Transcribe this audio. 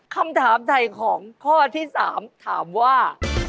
คำถามถ่ายของข้อที่๓ถามว่า